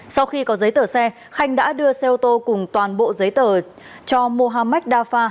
sau khi có giấy tờ xe khanh đã đưa xe ô tô cùng toàn bộ giấy tờ cho mohammad dafar